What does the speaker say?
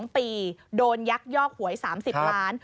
๒ปีโดนยักยอกหวย๓๐ล้าน